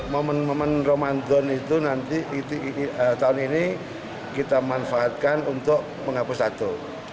momen momen ramadan itu nanti tahun ini kita manfaatkan untuk menghapus satu